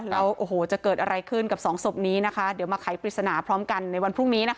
แล้วโอ้โหจะเกิดอะไรขึ้นกับสองศพนี้นะคะเดี๋ยวมาไขปริศนาพร้อมกันในวันพรุ่งนี้นะคะ